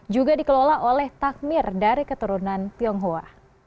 juga dikelola oleh takmir dari keturunan tionghoa